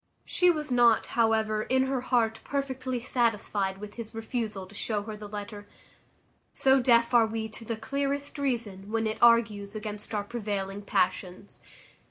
She was not, however, in her heart perfectly satisfied with his refusal to show her the letter; so deaf are we to the clearest reason, when it argues against our prevailing passions.